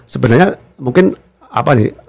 sebenarnya mungkin apa nih